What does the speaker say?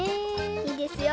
いいですよ。